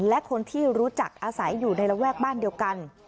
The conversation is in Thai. และคนที่รู้จักอาศัยอยู่ในระแวกบ้านเดียวกัน